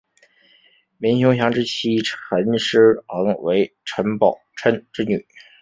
林熊祥之妻陈师桓为陈宝琛之女。